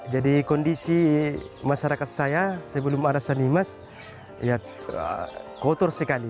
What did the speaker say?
jadi kondisi masyarakat saya sebelum ada sanimas ya kotor sekali